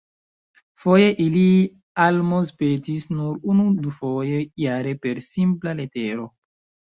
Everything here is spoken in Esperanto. Foje ili almozpetis nur unu-dufoje jare per simpla letero.